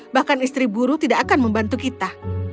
bahkan istri buruh tidak akan membantu kita